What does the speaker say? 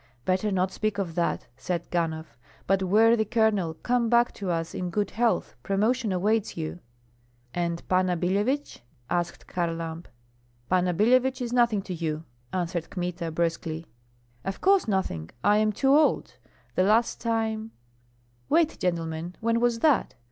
"Better not speak of that," said Ganhoff. "But, worthy Colonel, come back to us in good health; promotion awaits you." "And Panna Billevich?" added Kharlamp. "Panna Billevich is nothing to you," answered Kmita, brusquely. "Of course nothing, I am too old. The last time Wait, gentlemen, when was that?